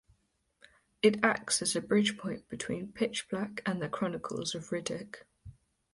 It acts as a bridgepoint between "Pitch Black" and "The Chronicles of Riddick".